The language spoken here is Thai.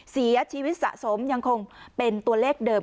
เสียชีวิตสะสมยังคงเป็นตัวเลขเดิม